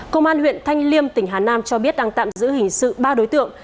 công an huyện thanh liêm tỉnh hà nam cho biết đang tạm giữ hình sự ba đối tượng